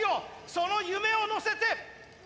その夢を乗せて。